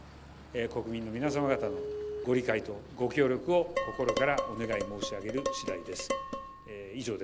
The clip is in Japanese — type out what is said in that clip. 国民の皆様方のご理解とご協力を、心からお願い申し上げるしだいです。